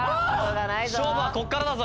勝負はここからだぞ！